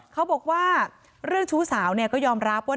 เขาบอกว่าเรื่องชู้สาวก็ยอมรับว่า